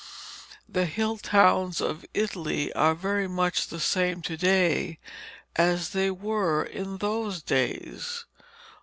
The hill towns of Italy are very much the same to day as they were in those days.